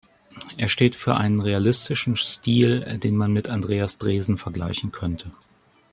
Er steht für einen realistischen Stil, den man mit Andreas Dresen vergleichen könnte.